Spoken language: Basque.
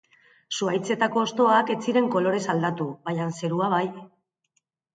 Zuhaitzetako hostoak ez ziren kolorez aldatu, baina zerua bai.